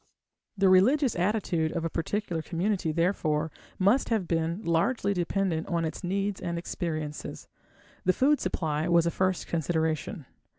The religious attitude of a particular community, therefore, must have been largely dependent on its needs and experiences. The food supply was a first consideration.